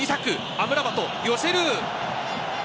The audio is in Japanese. アムラバト、寄せる。